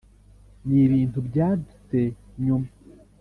ni ibintu byadutse nyuma.